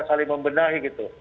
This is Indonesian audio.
saling membenahi gitu